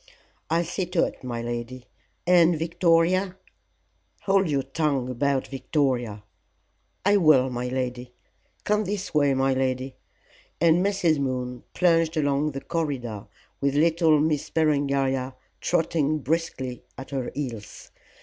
"I'll see to it, my lady. And Victoria ?" "Hold your tongue about Victoria." "I will, my lady. Come this way, my lady," and Mrs. Moon plunged along the corridor with little Miss Berengaria trotting briskly at her heels.